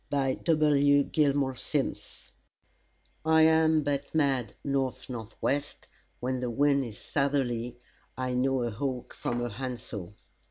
By W. GILMORE SIMMS "I am but mad north north west: when the wind is southerly I know a hawk from a handsaw."